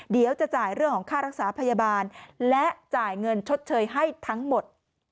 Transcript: เดี๋ยวจะจ่ายเรื่องของค่ารักษาพยาบาลและจ่ายเงินชดเชยให้ทั้งหมด